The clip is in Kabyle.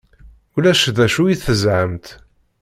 Ulac d acu i teshamt?